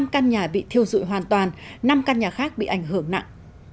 một mươi năm căn nhà bị thiêu dụi hoàn toàn năm căn nhà khác bị ảnh hưởng nặng